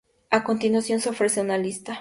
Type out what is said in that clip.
A continuación se ofrece una lista.